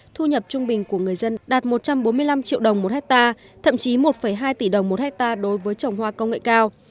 thu nhập trung bình của người dân đạt một trăm bốn mươi năm triệu đồng một hectare thậm chí một hai tỷ đồng một hectare đối với trồng hoa công nghệ cao